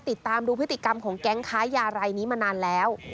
ติดตามดูพฤติกรรมของแก๊งค้ายารายนี้มานานแล้ว